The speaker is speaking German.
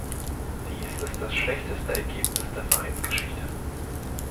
Dies ist das schlechteste Ergebnis der Vereinsgeschichte.